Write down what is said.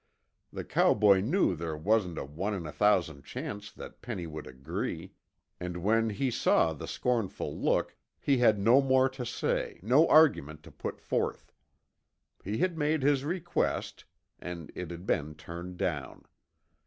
The cowboy knew there wasn't a one in a thousand chance that Penny would agree, and when he saw the scornful look, he had no more to say, no argument to put forth. He had made his request and it had been turned down.